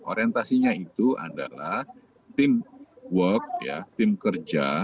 orientasinya itu adalah tim work tim kerja